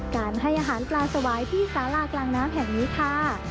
การให้อาหารปลาสวายที่สารากลางน้ำแห่งนี้ค่ะ